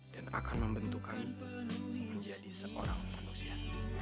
dan akan membentuk kami menjadi seorang manusia